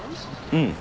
うん。